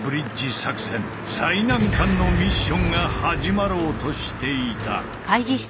最難関のミッションが始まろうとしていた。